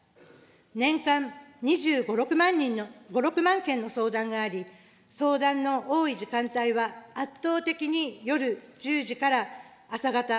年間２５、６万件の相談があり、相談の多い時間帯は、圧倒的に夜１０時から朝方。